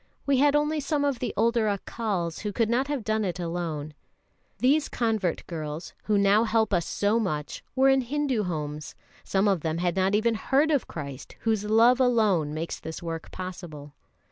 We had only some of the older Accals, who could not have done it alone. These convert girls, who now help us so much, were in Hindu homes; some of them had not even heard of Christ, whose love alone makes this work possible.